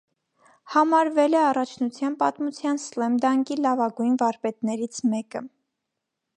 Համարվել է առաջնության պատմության սլեմ դանկի լավագույն վարպետներից մեկը։